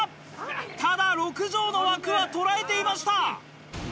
ただ６畳の枠は捉えていました。